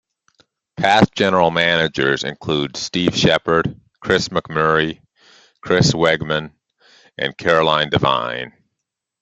Past General Managers include Steve Shepard, Chris McMurray, Chris Wegman, and Caroline Devine.